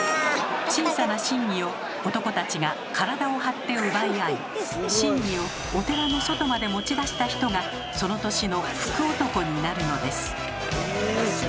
小さな宝木を男たちが体を張って奪い合い宝木をお寺の外まで持ち出した人がその年の福男になるのです。